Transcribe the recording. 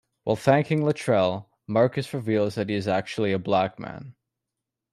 While thanking Latrell, Marcus reveals that he is actually a black man.